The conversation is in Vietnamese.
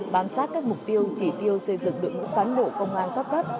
bám sát các mục tiêu chỉ tiêu xây dựng lượng ngũ cán bộ công an cấp cấp